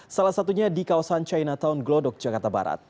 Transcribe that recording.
salah satunya di kawasan chinatown glodok jakarta barat